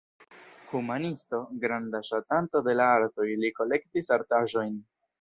Humanisto, granda ŝatanto de la artoj, li kolektis artaĵojn.